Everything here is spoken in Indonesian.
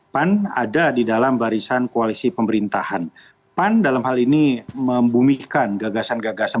pan ada di dalam barisan koalisi pemerintahan pan dalam hal ini membumikan gagasan gagasan